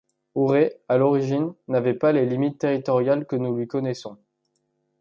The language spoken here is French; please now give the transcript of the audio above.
Oret, à l’origine, n’avait pas les limites territoriales que nous lui connaissons.